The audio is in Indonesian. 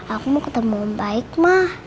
aku mau ketemu om baik ma